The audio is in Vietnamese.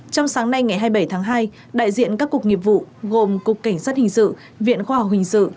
trong sáng nay ngày hai mươi bảy tháng hai đại diện các cục nghiệp vụ gồm cục cảnh sát hình sự viện khoa học hình sự